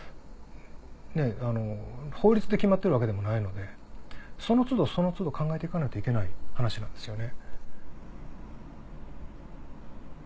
法律で決まってるわけでもないのでその都度その都度考えて行かないといけない話なんですよね。